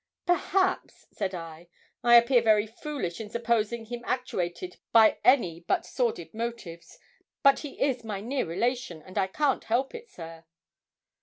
'Perhaps,' said I, 'I appear very foolish in supposing him actuated by any but sordid motives; but he is my near relation, and I can't help it, sir.'